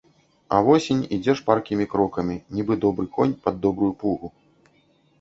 А восень ідзе шпаркімі крокамі, нібы добры конь пад добрую пугу.